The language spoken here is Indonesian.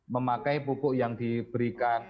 memakai pupuk yang diberikan